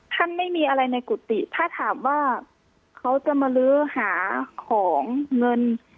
ไม่มีอะไรในกุฏิถ้าถามว่าเขาจะมาลื้อหาของเงิน